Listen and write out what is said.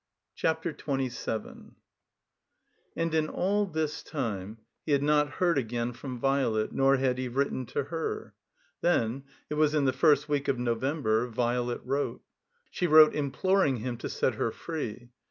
CHAPTER XXVII AND in all this time he had not heard again from i\ Violet, nor had he written to her. Then — it was in the first week of November — Violet wrote. She wrote imploring him to set her free.